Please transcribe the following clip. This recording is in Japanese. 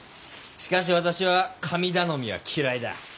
しかし私は神頼みは嫌いだ。